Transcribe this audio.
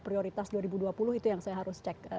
prioritas dua ribu dua puluh itu yang saya harus cek